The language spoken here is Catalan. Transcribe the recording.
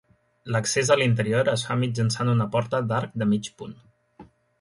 L'accés a l'interior es fa mitjançant una porta d'arc de mig punt.